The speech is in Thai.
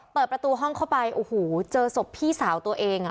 เปิดประตูห้องเข้าไปโอ้โหเจอศพพี่สาวตัวเองอ่ะ